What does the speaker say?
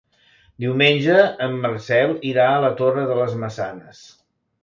Diumenge en Marcel irà a la Torre de les Maçanes.